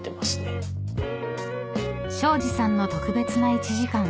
［庄司さんの特別な１時間］